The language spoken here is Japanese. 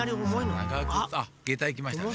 あっげたいきましたね。